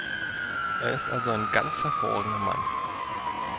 Er ist also ein ganz hervorragender Mann.